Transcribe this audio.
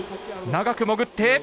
長く潜って。